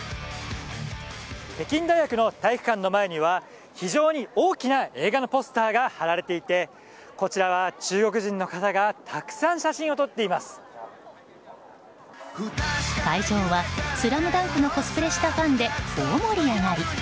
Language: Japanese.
北京大学の体育館の前には非常に大きな映画のポスターが貼られていてこちらは中国人の方が、たくさん会場は「ＳＬＡＭＤＵＮＫ」のコスプレをしたファンで大盛り上がり。